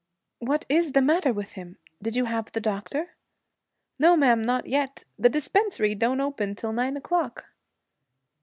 'What is the matter with him? Did you have the doctor?' 'No, ma'am, not yet. The dispensary don't open till nine o'clock.'